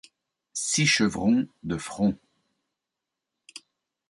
Six chevrons de front.